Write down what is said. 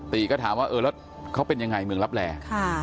ก็ถามว่าเออแล้วเขาเป็นยังไงเมืองรับแล